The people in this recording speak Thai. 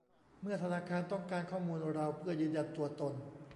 เมื่อธนาคารต้องการข้อมูลเราเพื่อยืนยันตัวตน